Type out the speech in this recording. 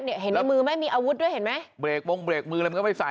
เห็นในมือไหมมีอาวุธด้วยเห็นไหมเบรกมงเบรกมืออะไรมันก็ไม่ใส่